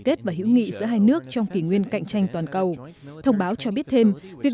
kết và hữu nghị giữa hai nước trong kỷ nguyên cạnh tranh toàn cầu thông báo cho biết thêm việc